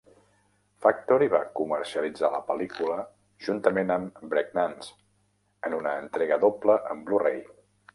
Factory va comercialitzar la pel·lícula juntament amb "Breakdance " en una entrega doble en Blu-ray.